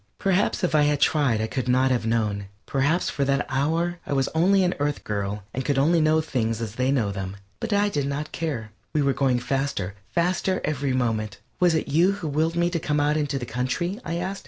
Perhaps if I had tried I could not have known; perhaps for that hour I was only an Earth girl and could only know things as they know them, but I did not care. We were going faster, faster every moment. "Was it you who willed me to come out into the country?" I asked.